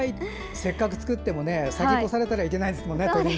せっかく作っても鳥に先を越されたらいけないですもんね。